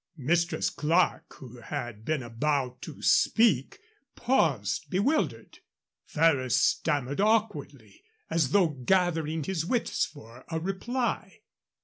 Mistress Clerke, who had been about to speak, paused bewildered. Ferrers stammered awkwardly, as though gathering his wits for a reply.